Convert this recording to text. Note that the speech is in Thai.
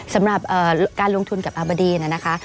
สำหรับการลงทุนกับอาบดีนะคะ